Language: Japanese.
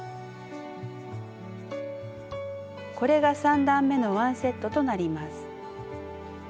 これが３段めのワンセットとなります。